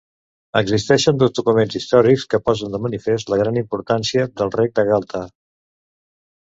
Existeixen dos documents històrics que posen de manifest la gran importància del rec de Gualta.